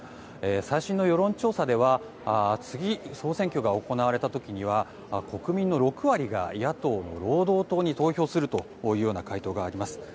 最新の世論調査では次、総選挙が行われた時には国民の６割が野党の労働党に投票するという回答があります。